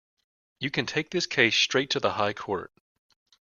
You can take this case straight to the High Court.